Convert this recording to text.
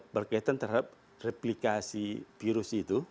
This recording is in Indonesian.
berkaitan terhadap replikasi virus itu